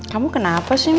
kamu kenapa sih